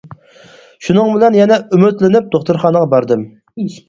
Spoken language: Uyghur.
شۇنىڭ بىلەن يەنە ئۈمىدلىنىپ دوختۇرخانىغا باردىم.